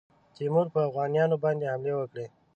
تیمور پر اوغانیانو باندي حملې وکړې.